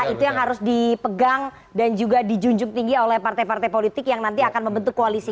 itu yang harus dipegang dan juga dijunjung tinggi oleh partai partai politik yang nanti akan membentuk koalisi